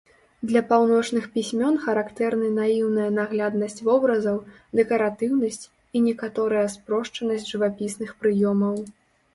Для паўночных пісьмён характэрны наіўная нагляднасць вобразаў, дэкаратыўнасць і некаторая спрошчанасць жывапісных прыёмаў.